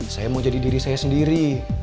saya mau jadi diri saya sendiri